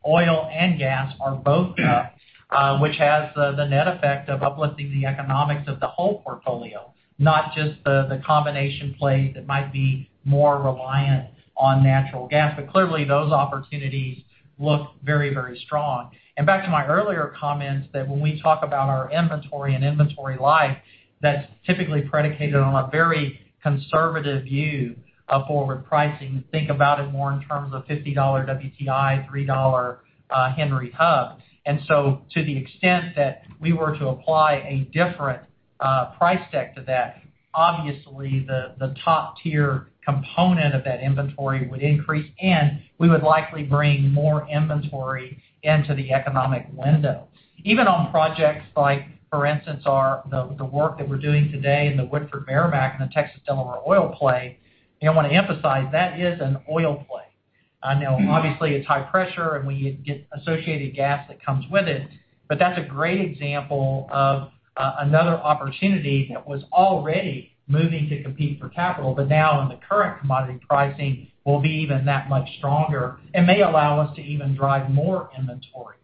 Oil and gas are both up, which has the net effect of uplifting the economics of the whole portfolio, not just the combination plays that might be more reliant on natural gas. Clearly those opportunities look very, very strong. Back to my earlier comments that when we talk about our inventory and inventory life, that's typically predicated on a very conservative view of forward pricing. Think about it more in terms of $50 WTI, $3 Henry Hub. To the extent that we were to apply a different price deck to that, obviously the top tier component of that inventory would increase, and we would likely bring more inventory into the economic window. Even on projects like, for instance, the work that we're doing today in the Woodford Meramec in the Texas-Delaware oil play, you know, I wanna emphasize that is an oil play. I know obviously it's high pressure and we get associated gas that comes with it. That's a great example of another opportunity that was already moving to compete for capital. Now in the current commodity pricing will be even that much stronger and may allow us to even drive more inventory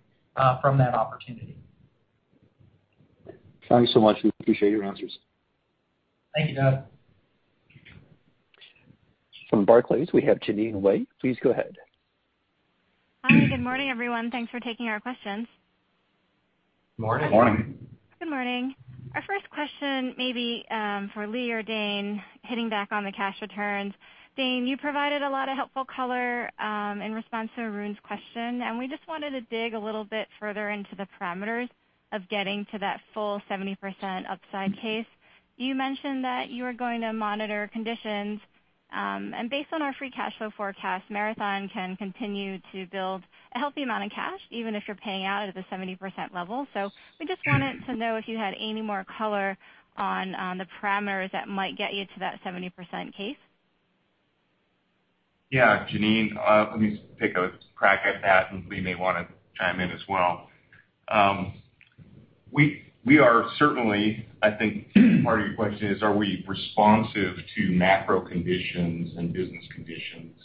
from that opportunity.
Thanks so much. We appreciate your answers.
Thank you, Doug.
From Barclays, we have Jeanine Wai. Please go ahead.
Hi. Good morning, everyone. Thanks for taking our questions.
Morning.
Morning.
Good morning. Our first question may be for Lee or Dane, hitting back on the cash returns. Dane, you provided a lot of helpful color in response to Arun's question, and we just wanted to dig a little bit further into the parameters of getting to that full 70% upside case. You mentioned that you are going to monitor conditions, and based on our free cash flow forecast, Marathon can continue to build a healthy amount of cash, even if you're paying out at the 70% level. We just wanted to know if you had any more color on the parameters that might get you to that 70% case?
Yeah, Jeanine, let me take a crack at that, and Lee may wanna chime in as well. We are certainly. I think part of your question is, are we responsive to macro conditions and business conditions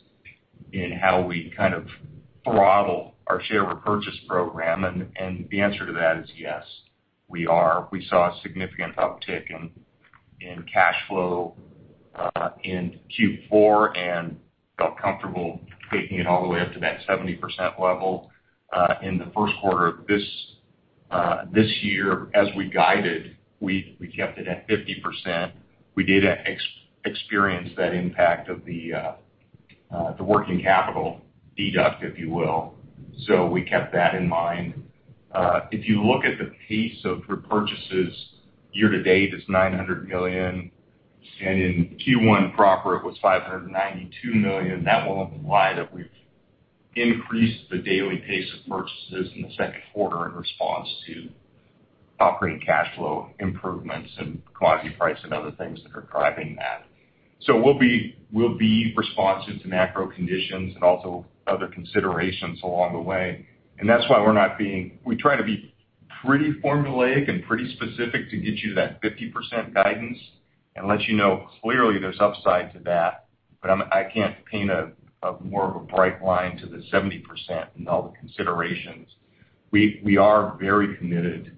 in how we kind of throttle our share repurchase program? The answer to that is yes, we are. We saw a significant uptick in cash flow in Q4 and felt comfortable taking it all the way up to that 70% level in the first quarter of this year. As we guided, we kept it at 50%. We did experience that impact of the working capital deduct, if you will. We kept that in mind. If you look at the pace of repurchases year-to-date is $900 million, and in Q1 proper, it was $592 million. That will imply that we've increased the daily pace of purchases in the second quarter in response to operating cash flow improvements and commodity price and other things that are driving that. We'll be responsive to macro conditions and also other considerations along the way. We try to be pretty formulaic and pretty specific to get you that 50% guidance and let you know clearly there's upside to that. I can't paint a more of a bright line to the 70% and all the considerations. We are very committed to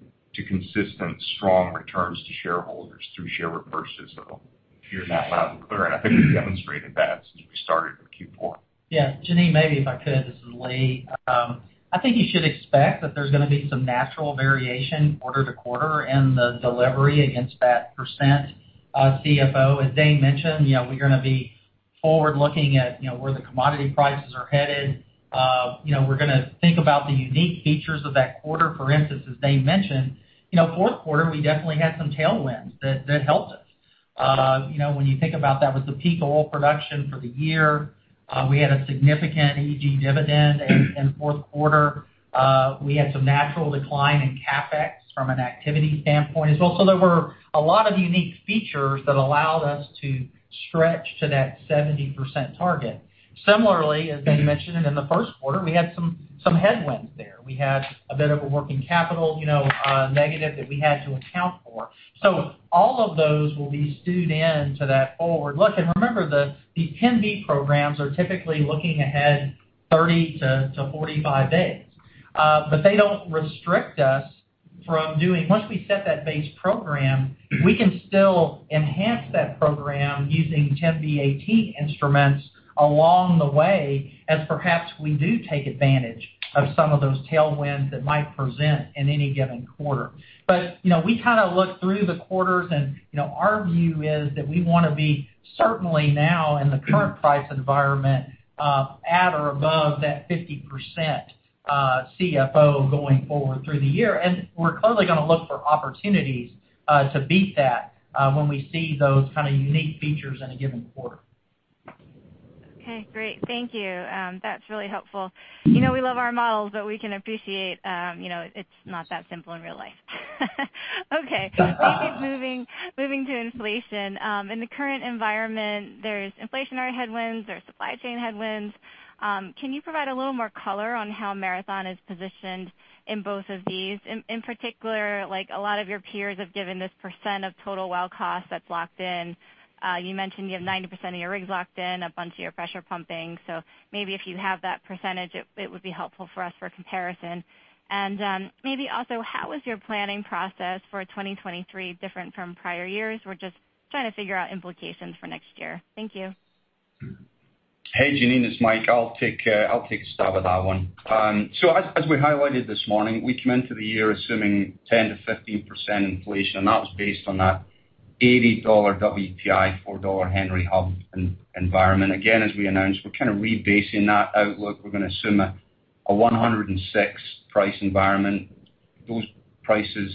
consistently strong returns to shareholders through share repurchases, so hear that loud and clear, and I think we've demonstrated that since we started in Q4.
Yes. Jeanine, maybe if I could, this is Lee. I think you should expect that there's gonna be some natural variation quarter to quarter in the delivery against that percent, CFO. As Dane mentioned, you know, we're gonna be forward-looking at, you know, where the commodity prices are headed. You know, we're gonna think about the unique features of that quarter. For instance, as Dane mentioned, you know, fourth quarter, we definitely had some tailwinds that helped us. You know, when you think about that was the peak oil production for the year. We had a significant EG dividend in fourth quarter. We had some natural decline in CapEx from an activity standpoint. So there were a lot of unique features that allowed us to stretch to that 70% target. Similarly, as Dane mentioned, in the first quarter, we had some headwinds there. We had a bit of a working capital, you know, negative that we had to account for. All of those will be built into that forward look. Remember, the 10b programs are typically looking ahead 30-45 days. They don't restrict us from doing, once we set that base program, we can still enhance that program using 10b-18 instruments along the way as perhaps we do take advantage of some of those tailwinds that might present in any given quarter. You know, we kind of look through the quarters and, you know, our view is that we wanna be certainly now in the current price environment, at or above that 50% CFO going forward through the year. We're clearly gonna look for opportunities to beat that, when we see those kind of unique features in a given quarter.
Okay. Great. Thank you. That's really helpful. You know, we love our models, but we can appreciate, you know, it's not that simple in real life. Okay. Moving to inflation. In the current environment, there's inflationary headwinds, there's supply chain headwinds. Can you provide a little more color on how Marathon is positioned in both of these? In particular, like a lot of your peers have given this percent of total well cost that's locked in. You mentioned you have 90% of your rigs locked in, a bunch of your pressure pumping. So maybe if you have that percentage, it would be helpful for us for comparison. And, maybe also, how is your planning process for 2023 different from prior years? We're just trying to figure out implications for next year. Thank you.
Hey, Jeanine, it's Mike. I'll take a stab at that one. So as we highlighted this morning, we came into the year assuming 10%-15% inflation, and that was based on that $80 WTI, $4 Henry Hub environment. Again, as we announced, we're kind of rebasing that outlook. We're gonna assume a $106 price environment. Those prices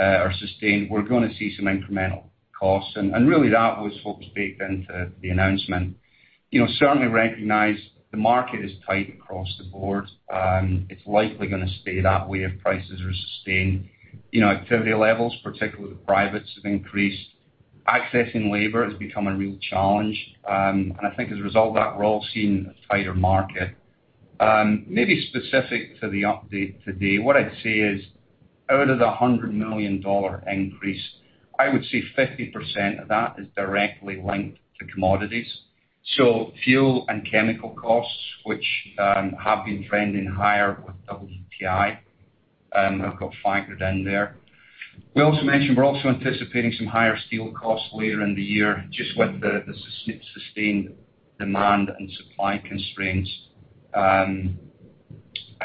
are sustained. We're gonna see some incremental costs. Really, that was baked into the announcement. You know, certainly recognize the market is tight across the board. It's likely gonna stay that way if prices are sustained. You know, activity levels, particularly the privates, have increased. Accessing labor has become a real challenge. I think as a result of that, we're all seeing a tighter market. Maybe specific to the update today, what I'd say is out of the $100 million increase, I would say 50% of that is directly linked to commodities. So fuel and chemical costs, which have been trending higher with WTI, have got factored in there. We also mentioned we're also anticipating some higher steel costs later in the year, just with the sustained demand and supply constraints. I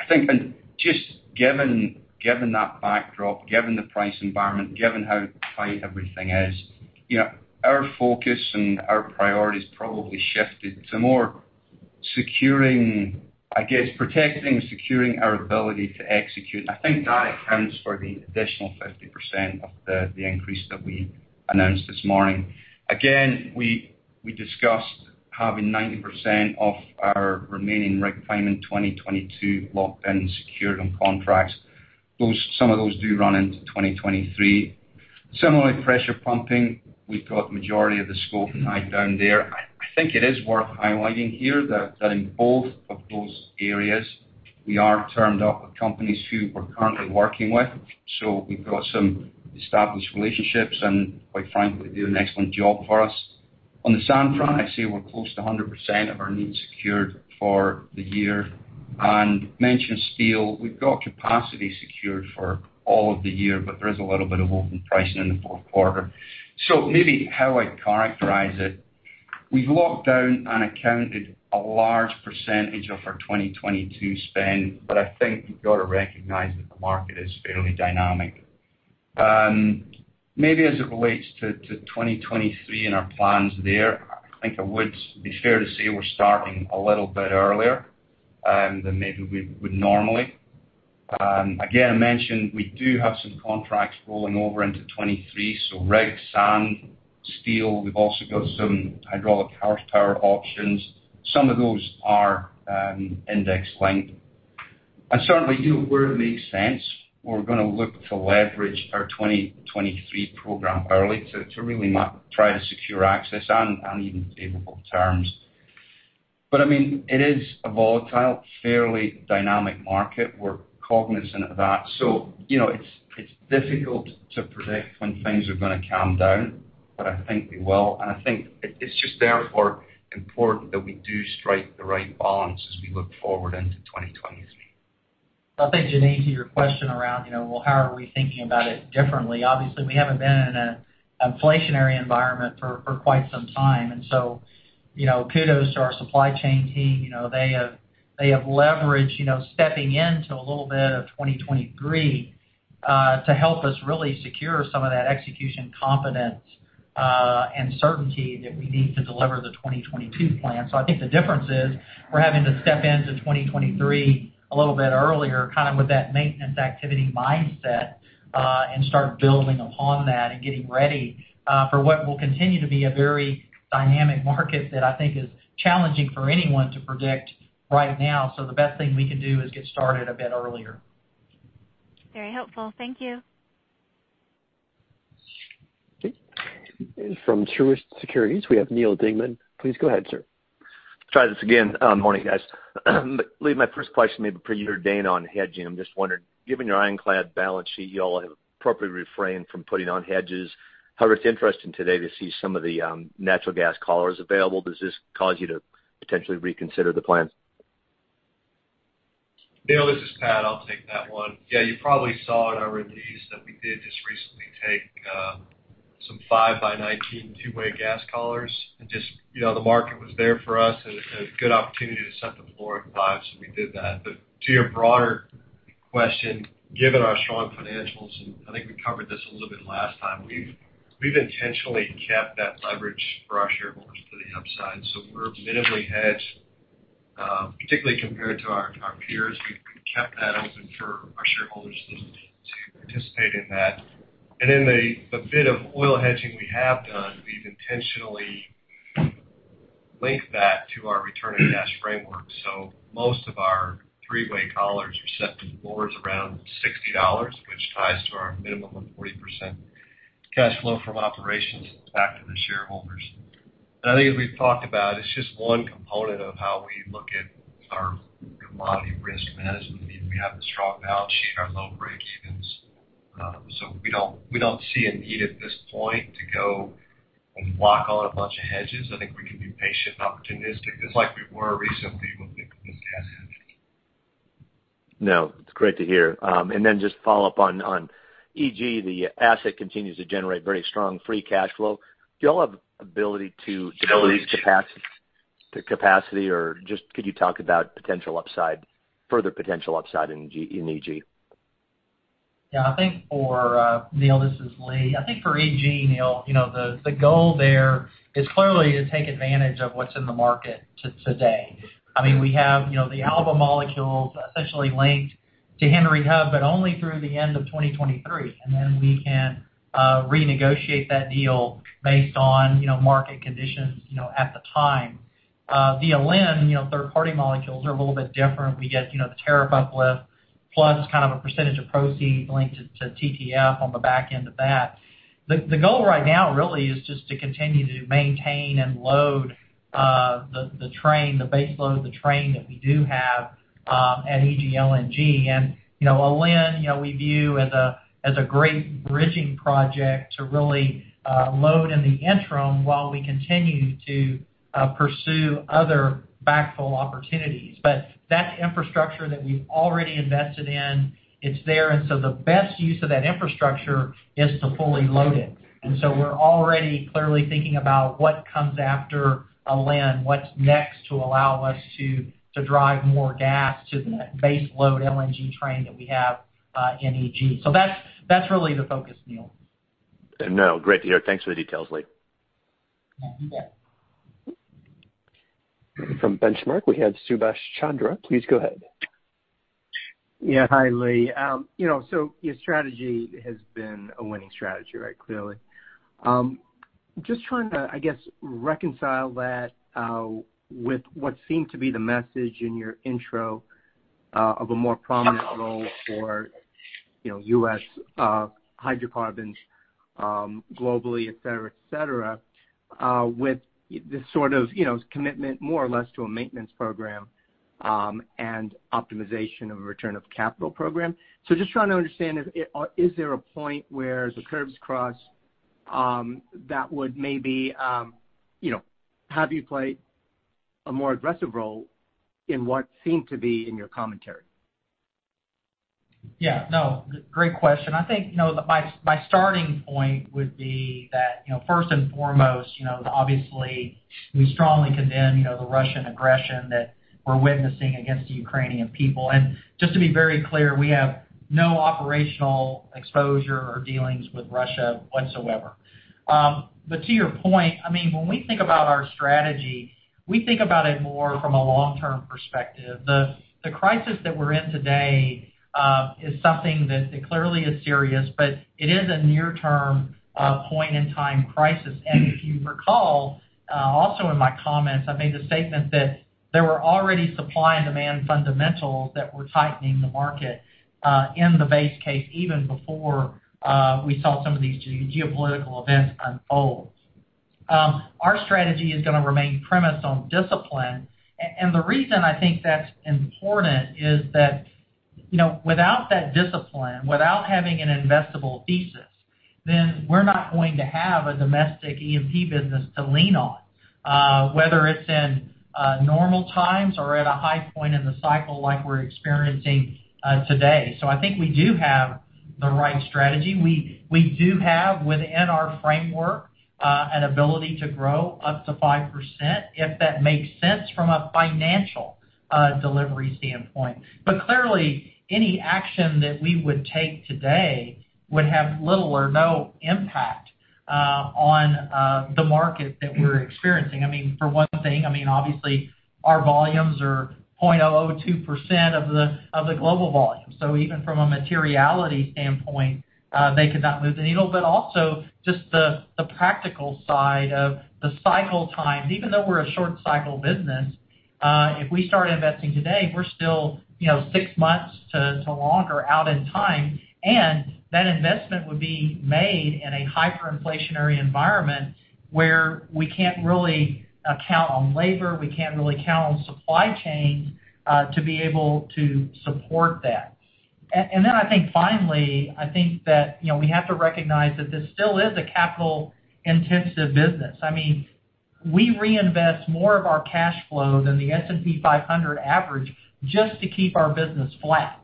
think and just given that backdrop, given the price environment, given how tight everything is, you know, our focus and our priorities probably shifted to more securing, I guess, protecting, securing our ability to execute. I think that accounts for the additional 50% of the increase that we announced this morning. Again, we discussed having 90% of our remaining rig time in 2022 locked and secured on contracts. Some of those do run into 2023. Similarly, pressure pumping, we've got majority of the scope tied down there. I think it is worth highlighting here that in both of those areas, we are termed up with companies who we're currently working with. So we've got some established relationships and quite frankly, do an excellent job for us. On the sand front, I'd say we're close to 100% of our needs secured for the year. Mentioned steel, we've got capacity secured for all of the year, but there is a little bit of open pricing in the fourth quarter. Maybe how I'd characterize it, we've locked down and accounted a large percentage of our 2022 spend, but I think you've got to recognize that the market is fairly dynamic. Maybe as it relates to 2023 and our plans there, I think it would be fair to say we're starting a little bit earlier than maybe we would normally. Again, I mentioned we do have some contracts rolling over into 2023, so rig, sand, steel. We've also got some hydraulic horsepower options. Some of those are index linked. Certainly, you know, where it makes sense, we're gonna look to leverage our 2023 program early to really try to secure access and even favorable terms. I mean, it is a volatile, fairly dynamic market. We're cognizant of that. you know, it's difficult to predict when things are gonna calm down, but I think they will. I think it's just therefore important that we do strike the right balance as we look forward into 2023.
I think, Jeanine Wai, to your question around, you know, well, how are we thinking about it differently? Obviously, we haven't been in an inflationary environment for quite some time. You know, kudos to our supply chain team. You know, they have leveraged, you know, stepping into a little bit of 2023, to help us really secure some of that execution confidence, and certainty that we need to deliver the 2022 plan. I think the difference is we're having to step into 2023 a little bit earlier, kind of with that maintenance activity mindset, and start building upon that and getting ready, for what will continue to be a very dynamic market that I think is challenging for anyone to predict right now. The best thing we can do is get started a bit earlier.
Very helpful. Thank you.
Okay. From Truist Securities, we have Neal Dingmann. Please go ahead, sir.
Try this again. Morning, guys. Lee, my first question may be for you or Dane on hedging. I'm just wondering, given your ironclad balance sheet, y'all have appropriately refrained from putting on hedges. However, it's interesting today to see some of the natural gas collars available. Does this cause you to potentially reconsider the plan?
Neal, this is Pat. I'll take that one. Yeah, you probably saw in our release that we did just recently take some $5 by $19 two-way gas collars. Just, you know, the market was there for us, and good opportunity to set the floor at $5, so we did that. To your broader question, given our strong financials, and I think we covered this a little bit last time, we've intentionally kept that leverage for our shareholders to the upside. We're minimally hedged, particularly compared to our peers. We've kept that open for our shareholders to participate in that. In the bit of oil hedging we have done, we've intentionally linked that to our return on cash framework.
Most of our three-way collars are set to floors around $60, which ties to our minimum of 40% cash flow from operations back to the shareholders. I think as we've talked about, it's just one component of how we look at our commodity risk management. We have the strong balance sheet and our low breakevens. We don't see a need at this point to go and lock on a bunch of hedges. I think we can be patient and opportunistic just like we were recently with this [gas hedging].
No, it's great to hear. Just follow up on EG, the asset continues to generate very strong free cash flow. Do y'all have ability to increase capacity, or just could you talk about potential upside, further potential upside in EG?
Yeah, I think for Neal, this is Lee. I think for EG, Neal, you know, the goal there is clearly to take advantage of what's in the market today. I mean, we have, you know, the Alba molecules essentially linked to Henry Hub, but only through the end of 2023. Then we can renegotiate that deal based on, you know, market conditions, you know, at the time. Via LNG, you know, third-party molecules are a little bit different. We get, you know, the tariff uplift plus kind of a percentage of proceeds linked to TTF on the back end of that. The goal right now really is just to continue to maintain and load the train, the base load of the train that we do have at EG LNG. You know, Alen, you know, we view as a great bridging project to really load in the interim while we continue to pursue other backfill opportunities. That's infrastructure that we've already invested in. It's there. The best use of that infrastructure is to fully load it. We're already clearly thinking about what comes after Alen, what's next to allow us to drive more gas to the base load LNG train that we have in EG. That's really the focus, Neal.
No, great to hear. Thanks for the details, Lee.
You bet.
From Benchmark, we have Subash Chandra. Please go ahead.
Yeah. Hi, Lee. You know, so your strategy has been a winning strategy, right? Clearly. Just trying to, I guess, reconcile that, with what seemed to be the message in your intro, of a more prominent role for, you know, U.S. hydrocarbons, globally, et cetera, et cetera, with this sort of, you know, commitment more or less to a maintenance program, and optimization of a return of capital program. Just trying to understand, is there a point where the curves cross, that would maybe, you know, have you play a more aggressive role in what seemed to be in your commentary?
Yeah. No, great question. I think, you know, my starting point would be that, you know, first and foremost, you know, obviously we strongly condemn, you know, the Russian aggression that we're witnessing against the Ukrainian people. Just to be very clear, we have no operational exposure or dealings with Russia whatsoever. But to your point, I mean, when we think about our strategy, we think about it more from a long-term perspective. The crisis that we're in today is something that clearly is serious, but it is a near term point in time crisis. If you recall, also in my comments, I made the statement that there were already supply and demand fundamentals that were tightening the market in the base case even before we saw some of these geopolitical events unfold. Our strategy is gonna remain premised on discipline. The reason I think that's important is that, you know, without that discipline, without having an investable thesis, then we're not going to have a domestic E&P business to lean on, whether it's in normal times or at a high point in the cycle like we're experiencing today. I think we do have the right strategy. We do have within our framework an ability to grow up to 5% if that makes sense from a financial delivery standpoint. Clearly, any action that we would take today would have little or no impact on the market that we're experiencing. I mean, for one thing, I mean, obviously our volumes are 0.002% of the global volume. Even from a materiality standpoint, they could not move the needle. Also just the practical side of the cycle times. Even though we're a short cycle business, if we start investing today, we're still, you know, six months to longer out in time, and that investment would be made in a hyperinflationary environment where we can't really count on labor, we can't really count on supply chain to be able to support that. And then I think finally, I think that, you know, we have to recognize that this still is a capital intensive business. I mean, we reinvest more of our cash flow than the S&P 500 average just to keep our business flat.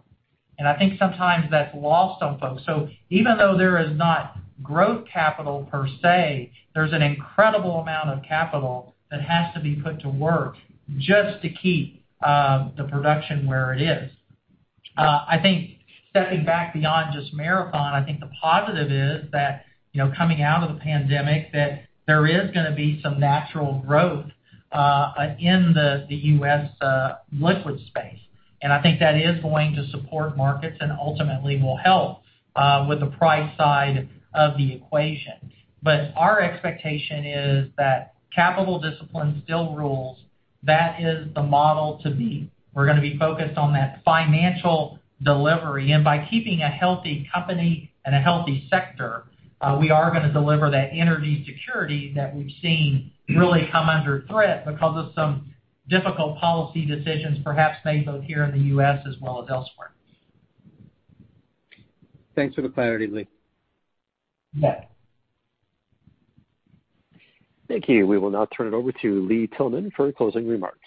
I think sometimes that's lost on folks. Even though there is not growth capital per se, there's an incredible amount of capital that has to be put to work just to keep the production where it is. I think stepping back beyond just Marathon, I think the positive is that, you know, coming out of the pandemic, that there is gonna be some natural growth in the U.S. liquid space. I think that is going to support markets and ultimately will help with the price side of the equation. Our expectation is that capital discipline still rules. That is the model to beat. We're gonna be focused on that financial delivery. By keeping a healthy company and a healthy sector, we are gonna deliver that energy security that we've seen really come under threat because of some difficult policy decisions perhaps made both here in the U.S. as well as elsewhere.
Thanks for the clarity, Lee.
You bet.
Thank you. We will now turn it over to Lee Tillman for closing remarks.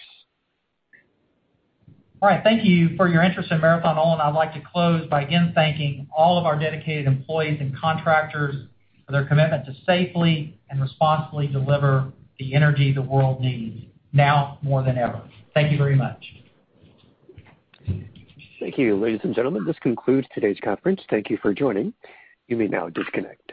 All right. Thank you for your interest in Marathon Oil, and I'd like to close by again thanking all of our dedicated employees and contractors for their commitment to safely and responsibly deliver the energy the world needs now more than ever. Thank you very much.
Thank you. Ladies and gentlemen, this concludes today's conference. Thank you for joining. You may now disconnect.